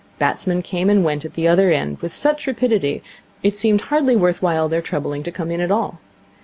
Batsmen came and went at the other end with such rapidity that it seemed hardly worth while their troubling to come in at all.